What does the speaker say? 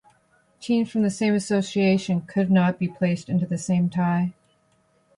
Teams from the same association could not be placed into the same tie.